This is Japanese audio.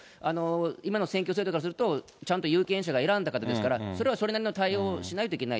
今の選挙制度からすると、ちゃんと有権者が選んだ方ですから、それはそれなりの対応をしないといけない。